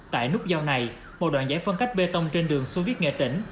tại nút giao này một đoạn giải phân cách bê tông trên đường xô viết nghệ tỉnh